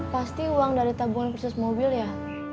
pasti uang dari tabungan khusus mobil ya